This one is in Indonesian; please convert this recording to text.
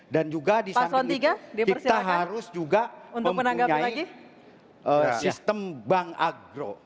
dan juga di samping itu kita harus juga mempunyai sistem bank agro